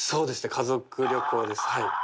家族旅行ですはい。